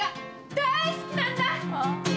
だい好きなんだ！